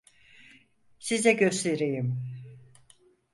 Size göstereyim.